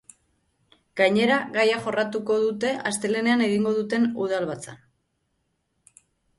Gainera, gaia jorratuko dute astelehenean egingo duten udalbatzan.